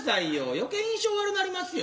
余計印象悪なりますよ。